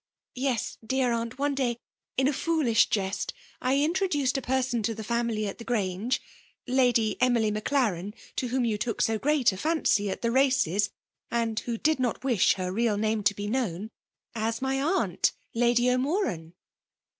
Yes, dear aunt, one day, in a foolish jest, I introduced a person to the family at the Grange, (Lady Ekdly Maclaren, to whom you took so great a fancy at the races, and who did not wish her real name to be known,) as my aunt, Lady O'Moran.